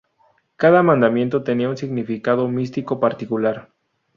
Cada mandamiento tenía un significado místico particular.